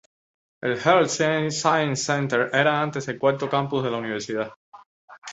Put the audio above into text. El Health Sciences Center era antes el cuarto campus de la universidad.